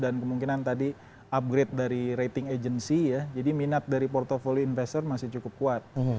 kemungkinan tadi upgrade dari rating agency ya jadi minat dari portfoli investor masih cukup kuat